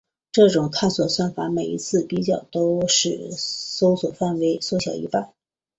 这种搜索算法每一次比较都使搜索范围缩小一半。